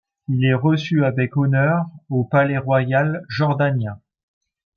Il est reçu avec honneurs au palais royal Jordanien.